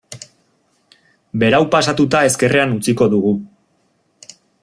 Berau pasatuta ezkerrean utziko dugu.